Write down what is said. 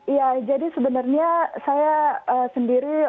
iya jadi sebenarnya saya sendiri